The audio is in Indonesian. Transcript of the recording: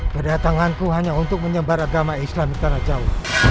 kedatanganku hanya untuk menyebar agama islami tanah jawa